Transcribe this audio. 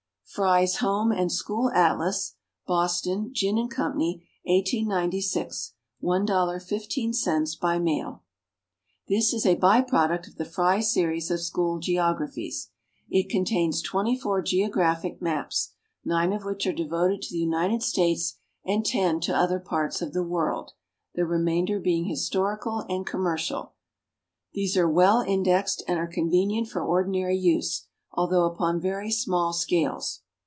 Frye's Home and School Atlas. Boston : Ginn & Co. 1896. $1.15 by mail. This is a by product of the Frye series of school geographies. It con tains 24 geographic maps, 9 of which are devoted to the United States and 10 to other parts of the world, the remainder being historical and com mercial. These are well indexed and are convenient for ordinai'y use, although upon very small scales.